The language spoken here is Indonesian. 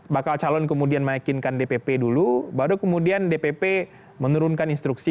bakal calon kemudian meyakinkan dpp dulu baru kemudian dpp menurunkan instruksi